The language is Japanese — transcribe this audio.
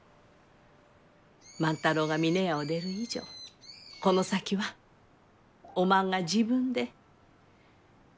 万太郎が峰屋を出る以上この先はおまんが自分で決めたらえい。